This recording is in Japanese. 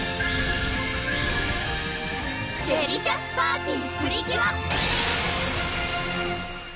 デリシャスパーティプリキュア！